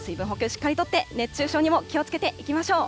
しっかりとって、熱中症にも気をつけていきましょう。